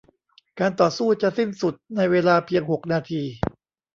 การต่อสู้จะสิ้นสุดในเวลาเพียงหกนาที